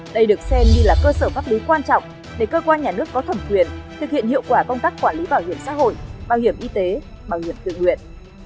đây được xem như là cơ sở pháp lý quan trọng để cơ quan nhà nước có thẩm quyền thực hiện hiệu quả công tác quản lý bảo hiểm xã hội bảo hiểm y tế bảo hiểm tự nguyện